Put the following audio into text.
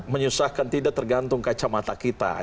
menyusahkan tidak tergantung kacamata kita